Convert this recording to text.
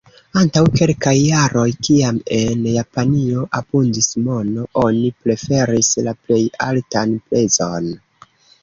Antaŭ kelkaj jaroj, kiam en Japanio abundis mono, oni preferis la plej altan prezon.